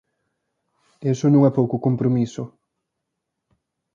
Iso non é pouco compromiso.